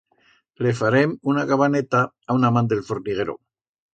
Le farem una cabaneta a una man d'el forniguero.